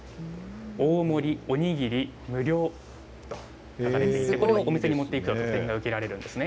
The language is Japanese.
大盛り、お握り無料と書かれていて、お店に持っていくと特典が受けられるんですね。